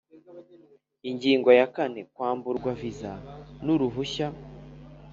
Ingingo ya kane Kwamburwa viza n uruhushya